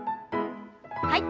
はい。